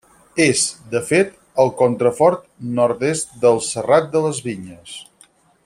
És, de fet, el contrafort nord-est del Serrat de les Vinyes.